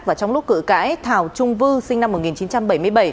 và trong lúc cử cãi thảo trung vư sinh năm một nghìn chín trăm bảy mươi bảy